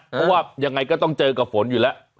เพราะว่ายังไงก็ต้องเจอกับฝนอยู่แล้ว